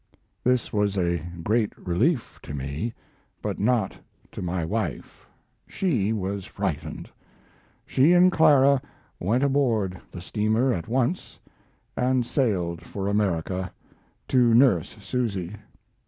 This was a great relief to me, but not to my wife. She was frightened. She and Clara went aboard the steamer at once and sailed for America, to nurse Susy.